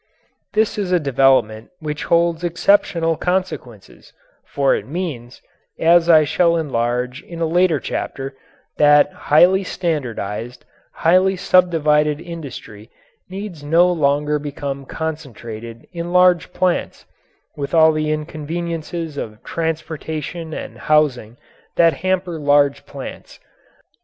This is a development which holds exceptional consequences, for it means, as I shall enlarge in a later chapter, that highly standardized, highly subdivided industry need no longer become concentrated in large plants with all the inconveniences of transportation and housing that hamper large plants.